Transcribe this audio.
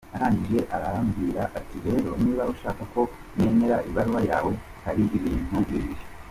Arangije arambwira ati rero niba ushaka ko nemera ibaruwa yawe, hari ibintu bibiri.